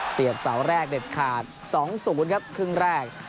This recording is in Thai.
เสียบเสาแรกเด็ดขาด๒๐ครับครึ่งแรก